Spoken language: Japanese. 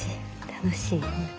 楽しい。